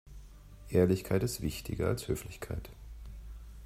Ehrlichkeit ist wichtiger als Höflichkeit.